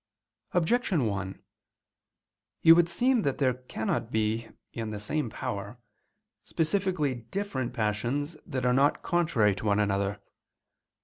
Objection 1: It would seem that there cannot be, in the same power, specifically different passions that are not contrary to one another.